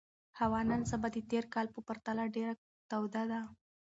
هوا نن سبا د تېر کال په پرتله ډېره توده ده.